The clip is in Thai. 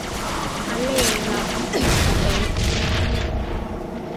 ทะเลลัปเตฟ